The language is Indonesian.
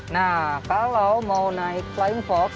nah kalau mau naik flying fox